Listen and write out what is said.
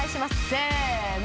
せの！